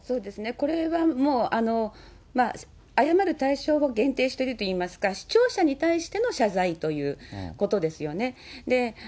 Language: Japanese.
これはもう、謝る対象を限定してるといいますか、視聴者に対しての謝罪ということですよね。